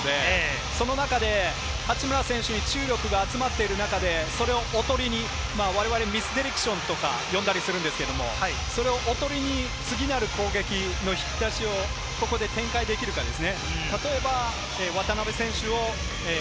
その中で八村選手に注力が集まっている中で、それをおとりに我々はミスディレクションと呼んだりしたりするんですが、それをおとりに次なる攻撃の引き出しを展開できるかです。